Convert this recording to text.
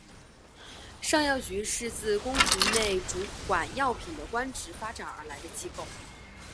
尚药局是自宫廷内主管药品的官职发展而来的机构。